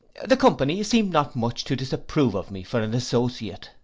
The company seemed not much to disapprove of me for an associate.